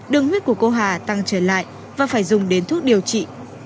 đường huyết của cô hà tăng trở lại và phải dùng đến thuốc điều trị